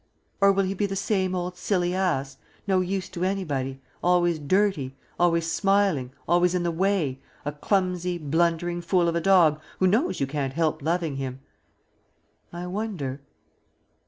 Or will he be the same old silly ass, no use to anybody, always dirty, always smiling, always in the way, a clumsy, blundering fool of a dog who knows you can't help loving him? I wonder....